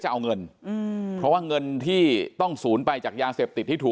จะเอาเงินอืมเพราะว่าเงินที่ต้องศูนย์ไปจากยาเสพติดที่ถูก